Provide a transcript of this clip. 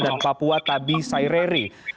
dan papua tabi saireri